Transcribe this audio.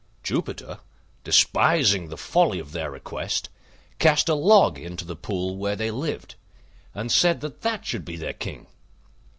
Jupiter, despising the folly of their request, cast a log into the pool where they lived, and said that that should be their King.